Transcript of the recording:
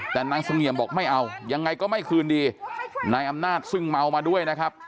แต่นางเสงี่ยมบอกไม่เอายังไงก็ไม่คืนดีนายอำนาจซึ่งเมามาด้วยนะครับ